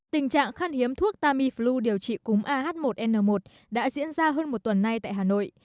tình trạng khan hiếm thuốc tamiflu điều trị cúng ah một n một đã diễn ra hơn một tuần nay tại hà nội